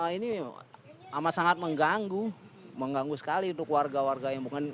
ini amat sangat mengganggu mengganggu sekali untuk warga warga yang bukan